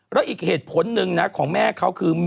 แล้วอีกเหตุผลหนึ่งนะของแม่เขาคือ